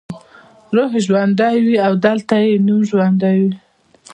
روح یې ژوندی وي او دلته یې نوم ژوندی وي.